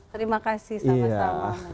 terima kasih sama sama